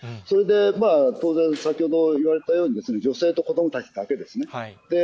それで当然、先ほど言われたように、女性と子どもたちだけですね。